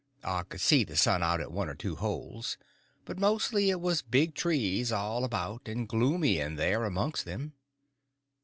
I could see the sun out at one or two holes, but mostly it was big trees all about, and gloomy in there amongst them.